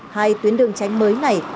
hai tuyến đường tránh mới này